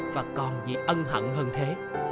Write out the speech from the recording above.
và còn gì ân hận hơn thế